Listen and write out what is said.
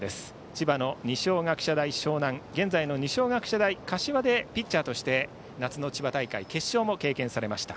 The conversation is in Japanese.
千葉の二松学舎大沼南現在のに二松学舎大柏高校でピッチャーとして活躍されて夏の千葉大会決勝も経験されました。